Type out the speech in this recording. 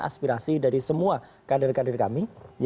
aspirasi dari semua kader kader kami